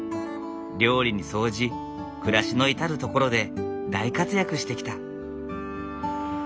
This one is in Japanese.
料理に掃除暮らしの至る所で大活躍してきた。